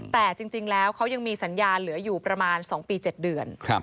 แต่จริงแล้วเขายังมีสัญญาเหลืออยู่ประมาณ๒ปี๗เดือน